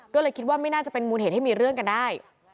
ก็เลยคิดว่าไม่น่าจะเป็นมูลเหตุให้มีเรื่องกันได้